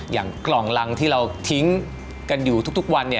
อย่างกล่องรังที่เราทิ้งกันอยู่ทุกวัน